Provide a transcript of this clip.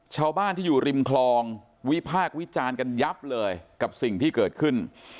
ชาวบ้านที่อยู่ริมคลองวิพากษ์วิจารณ์กันยับเลยกับสิ่งที่เกิดขึ้น